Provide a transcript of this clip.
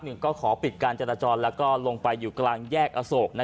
หนึ่งก็ขอปิดการจราจรแล้วก็ลงไปอยู่กลางแยกอโศก